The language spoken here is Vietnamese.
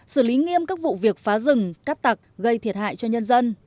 xử lý nghiêm các vụ việc phá rừng cắt tặc gây thiệt hại cho nhân dân